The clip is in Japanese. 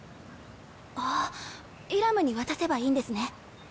ああイラムに渡せばいいんですね。